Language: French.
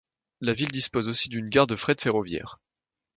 La ville dispose aussi d'une gare de fret ferroviaire.